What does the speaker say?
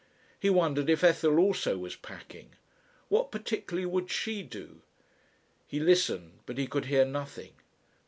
He wondered if Ethel also was packing. What particularly would she do? He listened, but he could hear nothing.